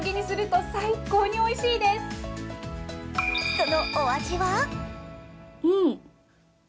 そのお味は？